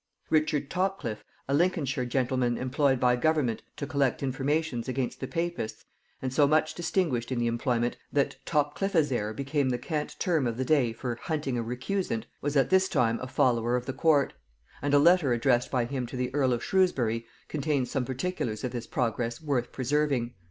Richard Topcliffe, a Lincolnshire gentleman employed by government to collect informations against the papists, and so much distinguished in the employment, that Topcliffizare became the cant term of the day for hunting a recusant, was at this time a follower of the court; and a letter addressed by him to the earl of Shrewsbury contains some particulars of this progress worth preserving....